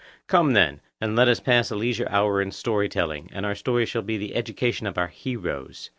Come then, and let us pass a leisure hour in story telling, and our story shall be the education of our heroes.